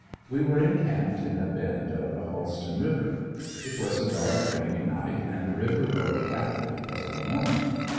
We were encamped in a bend of the Holston River. It was a dark rainy night and the river rose rapidly before morning.